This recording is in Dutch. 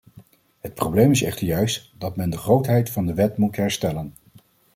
Het probleem is echter juist dat men de grootheid van de wet moet herstellen.